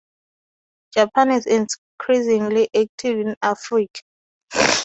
Japan is increasingly active in Africa.